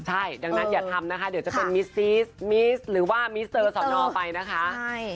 ใช่ดังนั้นอย่าทำนะคะเดี๋ยวจะเป็นมิซีสมิสหรือว่ามิสเตอร์สอนอไปนะคะ